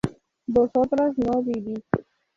vosotras no vivís